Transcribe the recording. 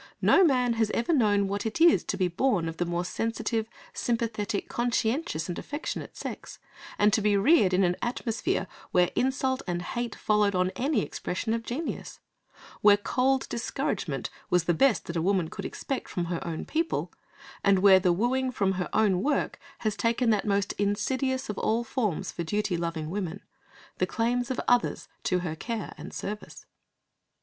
No man has ever known what it is to be born of the more sensitive, sympathetic, conscientious and affectionate sex, and to be reared in an atmosphere where insult and hate followed on any expression of genius, where cold discouragement was the best that a woman could expect from her own people, and where the wooing from her own work has taken that most insidious of all forms for duty loving woman—the claims of others to her care and service.